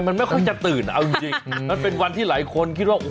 มันไม่ค่อยจะตื่นเอาจริงมันเป็นวันที่หลายคนคิดว่า